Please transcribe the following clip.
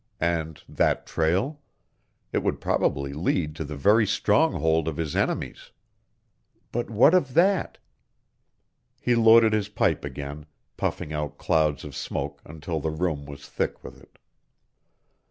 And that trail? It would probably lead to the very stronghold of his enemies. But what of that? He loaded his pipe again, puffing out clouds of smoke until the room was thick with it.